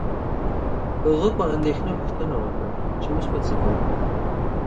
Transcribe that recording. هغه په اندیښنه پوښتنه وکړه چې اوس به څه کوو